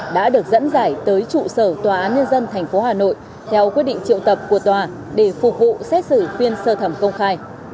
đã được dẫn giải tới trụ sở tòa án nhân dân tp hà nội theo quyết định triệu tập của tòa để phục vụ xét xử phiên sơ thẩm công khai